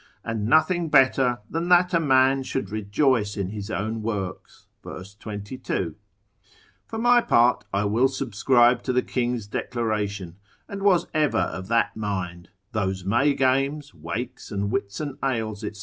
and nothing better than that a man should rejoice in his own works, verse 22; for my part, I will subscribe to the king's declaration, and was ever of that mind, those May games, wakes, and Whitsun ales, &c.